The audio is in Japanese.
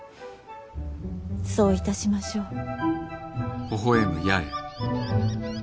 そういたしましょう。